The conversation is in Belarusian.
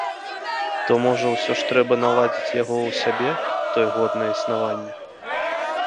То можа ўсё ж трэба наладзіць яго ў сябе, тое годнае існаванне?